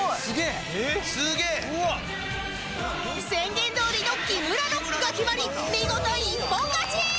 宣言どおりのキムラロックが決まり見事一本勝ち！